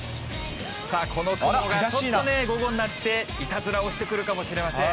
さあ、この雲が午後になって、いたずらをしてくるかもしれません。